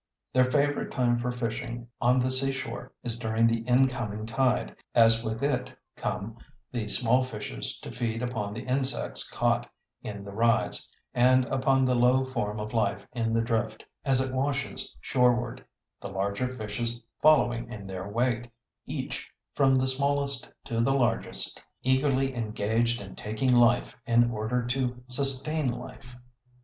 Their favorite time for fishing on the seashore is during the incoming tide, as with it come the small fishes to feed upon the insects caught in the rise, and upon the low form of life in the drift, as it washes shoreward, the larger fishes following in their wake, each, from the smallest to the largest, eagerly engaged in taking life in order to sustain life.